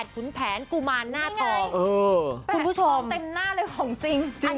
๑๐๘ขุนแผนกุมารหน้าทองคุณผู้ชมนี่ไงแผนทองเต็มหน้าเลยของจริง